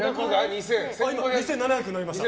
２７００人になりました。